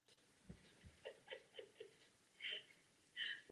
To v této sněmovně několikrát zmínili zástupci organizace Memorial.